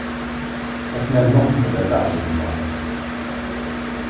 Ad t-nernu uqebl ad ɣ-yennaɣ.